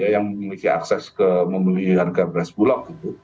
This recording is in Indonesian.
yang memiliki akses ke membeli harga beras bulog